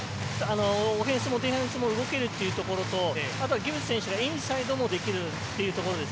オフェンスもディフェンスも動けるというところとギブス選手はインサイドもできるというところです。